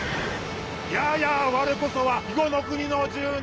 ややわれこそは肥後の国の住人。